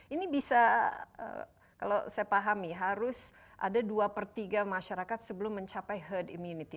ini bisa kalau saya pahami harus ada dua per tiga masyarakat sebelum mencapai herd immunity